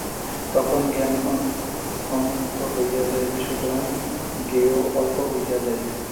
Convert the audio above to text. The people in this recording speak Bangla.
তখন জ্ঞান অনন্ত হইয়া যাইবে, সুতরাং জ্ঞেয় অল্প হইয়া যাইবে।